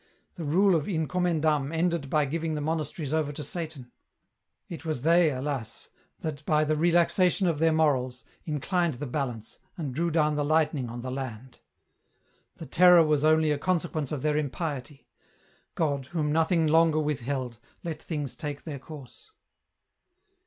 The rule of in commendam ended by giving the monasteries over to Satan. It was they, alas ! that by the relaxation of their morals, inclined the balance, and drew down the lightning on the land. " The Terror was only a consequence of their impiety. God, whom nothing longer withheld, let things take their course."